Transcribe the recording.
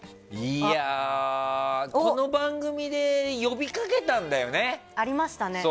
この番組で呼びかけたんだよね。